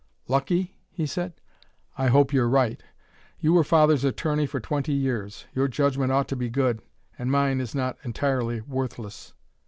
"Lucky?" he said. "I hope you're right. You were Father's attorney for twenty years your judgment ought to be good; and mine is not entirely worthless.